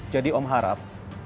jadi om harap